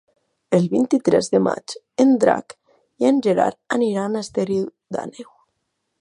El vint-i-tres de maig en Drac i en Gerard aniran a Esterri d'Àneu.